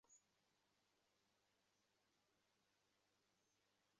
রসিকদাদা, ছাড়ো– আমার কাজ আছে।